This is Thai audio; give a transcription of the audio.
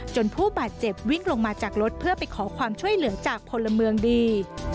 ผู้บาดเจ็บวิ่งลงมาจากรถเพื่อไปขอความช่วยเหลือจากพลเมืองดี